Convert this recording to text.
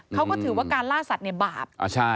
เขาก็ถือว่าการล่าสัตว์ในบาป